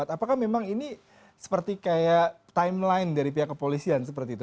apakah memang ini seperti kayak timeline dari pihak kepolisian seperti itu